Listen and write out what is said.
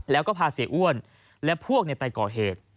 แล้วก็พาเสียอ้วนและพวกไปก่อเหตุ